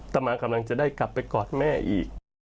ตามากำลังจะได้กลับไปกอดแม่อีก